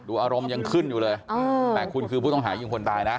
อารมณ์ยังขึ้นอยู่เลยแต่คุณคือผู้ต้องหายิงคนตายนะ